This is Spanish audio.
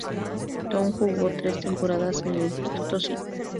Towns jugó tres temporadas en el instituto St.